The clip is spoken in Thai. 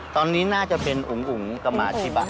ตอนนี้น่าจะเป็นอุ๋งกับหมาชิบะ